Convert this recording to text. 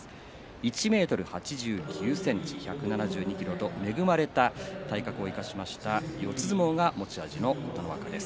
１ｍ８９ｃｍ、１７２ｋｇと恵まれた体格を生かしました四つ相撲が持ち味の琴ノ若です。